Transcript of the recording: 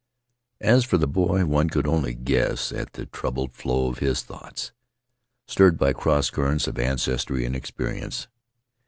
As for the boy, one could only guess at the troubled flow of his thoughts, stirred by cross currents of ancestry and experience.